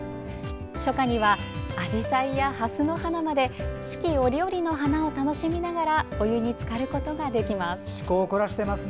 初夏にはあじさいやハスの花まで四季折々の花を楽しみながらお湯につかることができます。